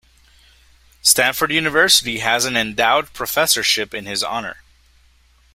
Stanford University has an endowed professorship in his honor.